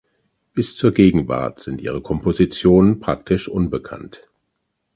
Bis zur Gegenwart sind ihre Kompositionen praktisch unbekannt.